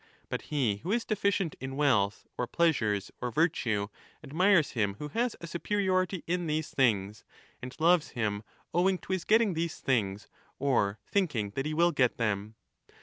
But he who is deficient in wealth or pleasures or virtue admires him who has a superiority in these things, and loves him owing to his getting these things or thinking that he will get them.